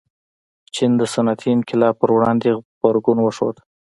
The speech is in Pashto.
چین د صنعتي انقلاب پر وړاندې غبرګون وښود.